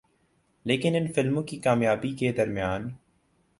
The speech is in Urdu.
لیکن ان فلموں کی کامیابی کے درمیان